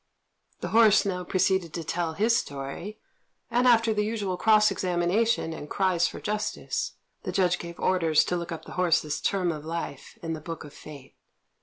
The horse now proceeded to tell his story; and after the usual cross examination and cries for justice, the judge gave orders to look up the horse's term of life in the Book of Fate.